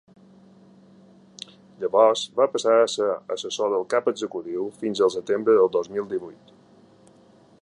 Llavors va passar a ser assessor del cap executiu fins el setembre del dos mil divuit.